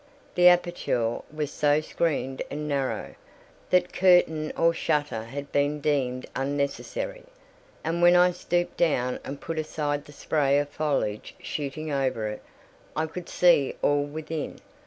The aperture was so screened and narrow, that curtain or shutter had been deemed unnecessary; and when I stooped down and put aside the spray of foliage shooting over it, I could see all within.